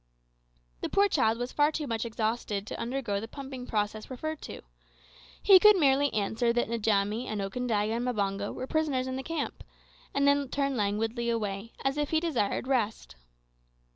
The poor child was far too much exhausted to undergo the pumping process referred to. He could merely answer that Njamie and Okandaga and Mbango were prisoners in the camp, and then turned languidly away, as if he desired rest.